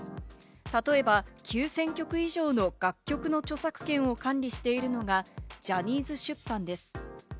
例えば、９０００曲以上の楽曲の著作権を管理しているのがジャニーズ出版です。